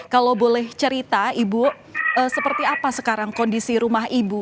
kalau boleh cerita ibu seperti apa sekarang kondisi rumah ibu